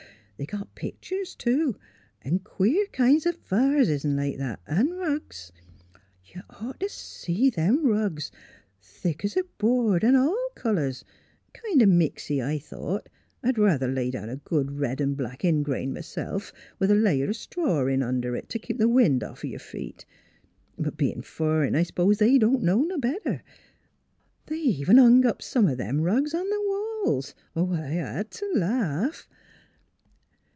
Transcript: They got pictur's, too, 'n' queer kinds o' vases 'n' like that, 'n' rugs. You'd ought t' see them rugs thick 's a board 'n' all colors kind o' mixy, I thought. I'd ruther lay down a good red 'n' black ingrain, m'self, with a layer o' straw in under it t' keep the wind offen y'r feet; but bein' fur'n I s'pose they don't know NEIGHBORS 81 no better. They even hung up some of them rugs on th' walls. I had t' laugh!